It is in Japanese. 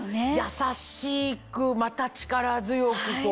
優しくまた力強くこう。